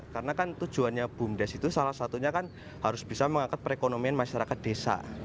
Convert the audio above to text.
karena kan tujuannya bumdes itu salah satunya kan harus bisa mengangkat perekonomian masyarakat desa